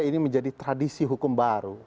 ini menjadi tradisi hukum baru